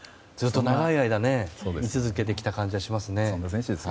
長い間居続けてきた感じがしますね。